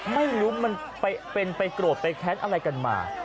ไม่รู้มันเป็นไปโกรธไปแค้นอะไรกันมา